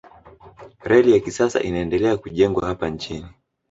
reli ya kisasa inaendelea kujengwa hapa nchini